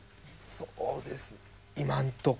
そうですね。